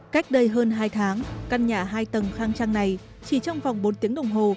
cách đây hơn hai tháng căn nhà hai tầng khang trang này chỉ trong vòng bốn tiếng đồng hồ